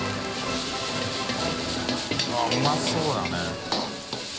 △うまそうだね。